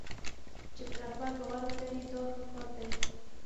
چې په رهبر باور ولري دا ښه کار دی.